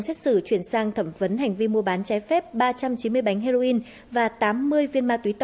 xin chào và hẹn gặp lại